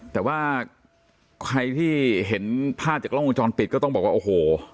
แต่ว่าใครที่เห็นภาพจากกล้องวงจรปิดก็ต้องบอกว่าโอ้โห